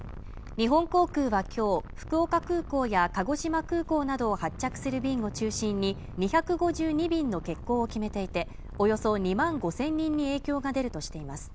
日本航空は今日、福岡空港や鹿児島空港などを発着する便を中心に２５２便の欠航を決めていておよそ２万５０００人に影響が出るとしています